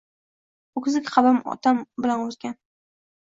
O‘ksik qalbim otam bilan o’tgan.